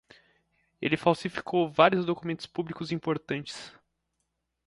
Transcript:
Ele falsificou vários documentos públicos importantes